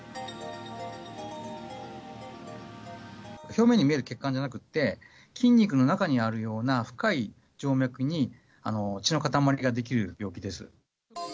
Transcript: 表面に見える血管じゃなくて、筋肉の中にあるような深い静脈に血のかたまりが出来る病気です。